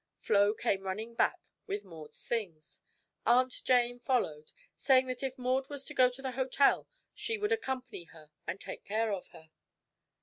Flo came running back with Maud's things. Aunt Jane followed, saying that if Maud was to go to the hotel she would accompany her and take care of her.